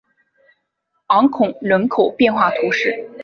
昂孔人口变化图示